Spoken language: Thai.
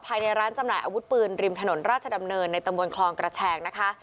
ภายในร้านจำหน่ายอาวุธปืนริมถนนราชดำเนินในตำบลคลองกระแชงนะคะ